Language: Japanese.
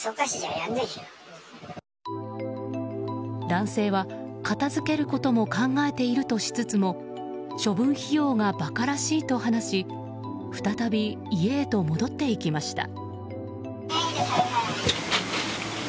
男性は片付けることも考えているとしつつも処分費用が馬鹿らしいと話し再び家へと戻っていきました。